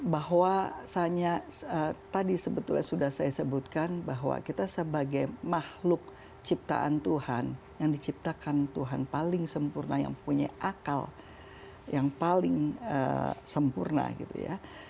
bahwasannya tadi sebetulnya sudah saya sebutkan bahwa kita sebagai makhluk ciptaan tuhan yang diciptakan tuhan paling sempurna yang punya akal yang paling sempurna gitu ya